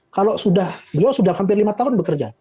kalau beliau sudah hampir lima tahun bekerja